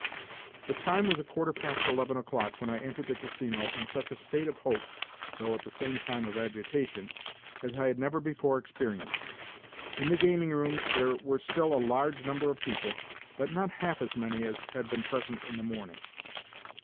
The time was a quarter past eleven o'clock when I entered the Casino in such a state of hope (though, at the same time, of agitation) as I had never before experienced. In the gaming rooms there were still a large number of people, but not half as many as had been present in the morning.